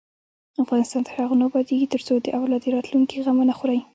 افغانستان تر هغو نه ابادیږي، ترڅو د اولاد د راتلونکي غم ونه خورئ.